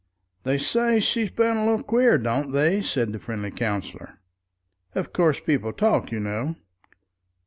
"They say she's been a little queer, don't they?" said the friendly counsellor. "Of course people talk, you know."